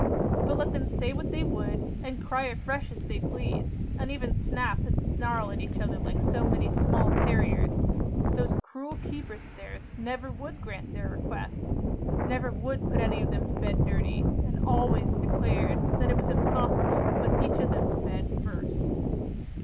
But let them say what they would, and cry afresh as they pleased, and even snap and snarl at each other like so many small terriers, those cruel keepers of theirs never would grant their requests; never would put any of them to bed dirty, and always declared that it was impossible to put each of them to bed first!